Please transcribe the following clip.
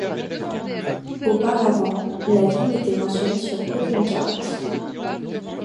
Auparavant, la ville n'était mentionnée sur aucune carte.